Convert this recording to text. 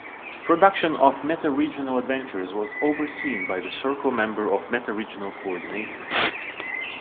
Production of Metaregional adventures was overseen by the Circle member or Metaregional Coordinator.